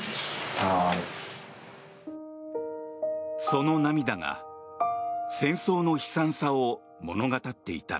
その涙が戦争の悲惨さを物語っていた。